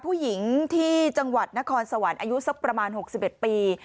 ผู้หญิงที่จังหวัดนครสวรรค์อายุสักประมาณ๖๑ปี